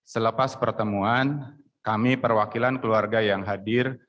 selepas pertemuan kami perwakilan keluarga yang hadir